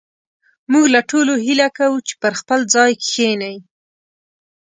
موږ له ټولو هيله کوو چې پر خپل ځاى کښېنئ